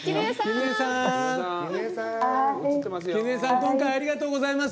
今回ありがとうございます。